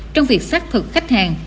trong việc phát thực khách hàng